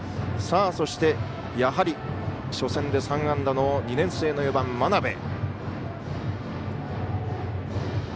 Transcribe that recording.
そして、やはり初戦で３安打の２年生の４番、真鍋。